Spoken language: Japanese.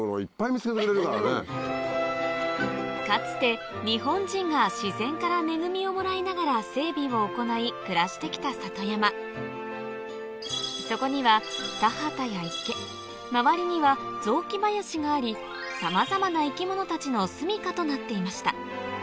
かつて日本人が自然から恵みをもらいながら整備を行い暮らして来たそこには田畑や池周りには雑木林がありさまざまな生き物たちの住処となっていました